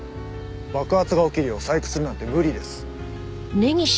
爆発が起きるよう細工するなんて無理です。